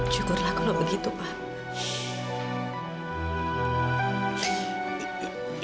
syukurlah kalau begitu pak